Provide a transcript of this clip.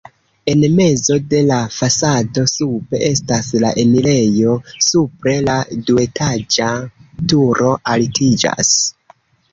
En mezo de la fasado sube estas la enirejo, supre la duetaĝa turo altiĝas.